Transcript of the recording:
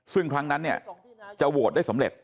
ซึ่งครั้งนั้นเนี่ยจะโหวตได้สำเร็จ